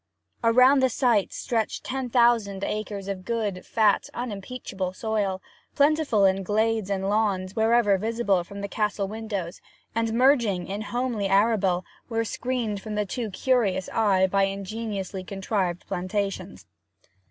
Around the site stretched ten thousand acres of good, fat, unimpeachable soil, plentiful in glades and lawns wherever visible from the castle windows, and merging in homely arable where screened from the too curious eye by ingeniously contrived plantations.